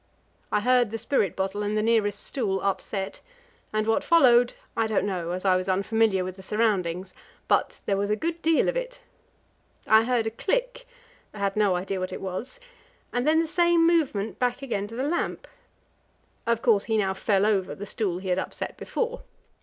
I heard the spirit bottle and the nearest stool upset, and what followed I don't know, as I was unfamiliar with the surroundings but there was a good deal of it. I heard a click had no idea what it was and then the same movement back again to the lamp. Of course, he now fell over the stool he had upset before.